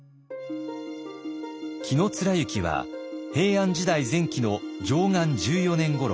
紀貫之は平安時代前期の貞観十四年ごろ